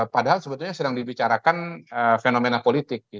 padahal sebetulnya sedang dibicarakan fenomena politik